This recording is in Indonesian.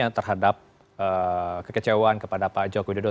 yang terhadap kekecewaan kepada pak jokowi dodo